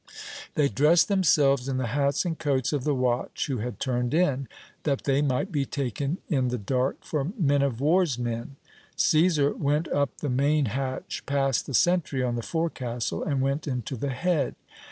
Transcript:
They dressed themselves in the hats and coats of the watch who had turned in, that they might be taken in the dark for men o' war's men. Cæsar went up the main hatch, passed the sentry on the forecastle, and went into the head.